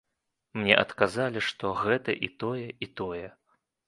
Мне адказалі, што гэта і тое, і тое.